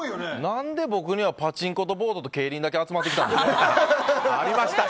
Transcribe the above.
何で、僕にはパチンコとボードと競輪だけ集まってきたんだ。